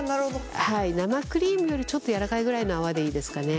生クリームよりちょっとやわらかいぐらいの泡でいいですかね。